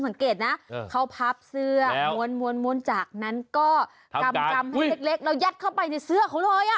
สังเกตนะเขาพับเสื้อม้วนจากนั้นก็กำให้เล็กแล้วยัดเข้าไปในเสื้อเขาเลย